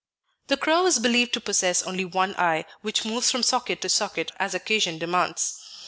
The crow is believed to possess only one eye, which moves from socket to socket as occasion demands.